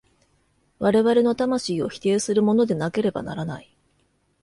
我々の魂を否定するものでなければならない。